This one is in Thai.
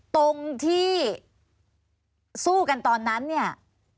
ตรงที่สู้กันตอนนั้นเนี่ย